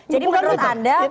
jadi menurut anda